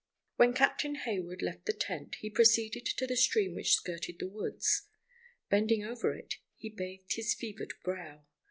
_ WHEN Captain Hayward left the tent, he proceeded to the stream which skirted the woods. Bending over it, he bathed his fevered brow.